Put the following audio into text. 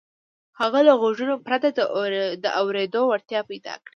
هغه له غوږونو پرته د اورېدو وړتيا پيدا کړي.